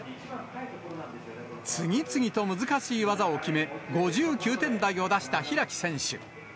次々と難しい技を決め、５９点台を出した開選手。